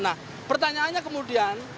nah pertanyaannya kemudian